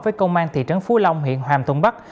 với công an thị trấn phú long hiện hàm tôn bắc